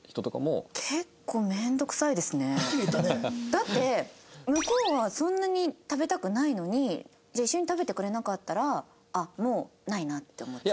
だって向こうはそんなに食べたくないのにじゃあ一緒に食べてくれなかったらもうないなって思っちゃう？